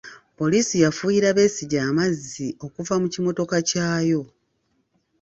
Poliisi yafuuyira Besigye amazzi okuva mu kimmotoka kyayo.